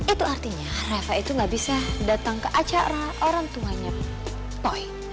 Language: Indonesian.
itu artinya rafa itu gak bisa datang ke acara orang tuanya toy